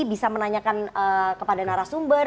bisa menanyakan kepada narasumber